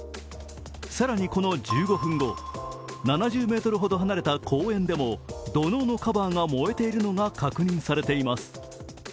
更にこの１５分後、７０ｍほど離れた公園でも土のうのカバーが燃えているのが確認されています。